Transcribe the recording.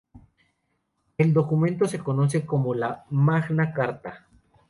El documento se conoce como la "Magna Carta".